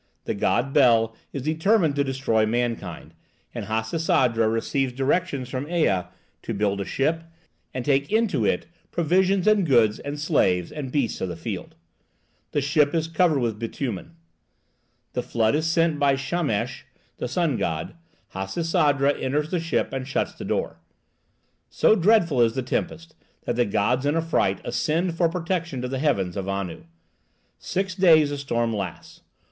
The God Bel is determined to destroy mankind, and Hasisadra receives directions from Ea to build a ship, and take into it provisions and goods and slaves and beasts of the field. The ship is covered with bitumen. The flood is sent by Shamash (the sun god). Hasisadra enters the ship and shuts the door. So dreadful is the tempest that the gods in affright ascend for protection to the heaven of Anu. Six days the storm lasts.